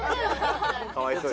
かわいそうに。